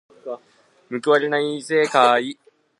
報われない世の中。